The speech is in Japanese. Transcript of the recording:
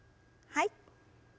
はい。